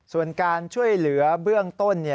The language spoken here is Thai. ส่วนการช่วยเหลือเบื้องต้น